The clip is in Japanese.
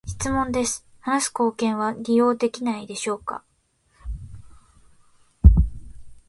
質問です、話す貢献は利用できないのでしょうか？